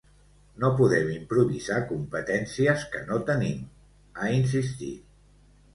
No podem improvisar competències que no tenim, ha insistit.